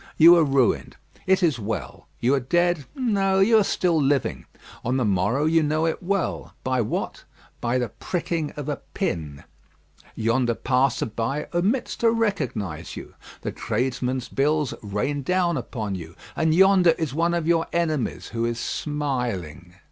You are ruined: it is well; you are dead? No; you are still living. On the morrow you know it well. By what? By the pricking of a pin. Yonder passer by omits to recognise you; the tradesmen's bills rain down upon you; and yonder is one of your enemies, who is smiling.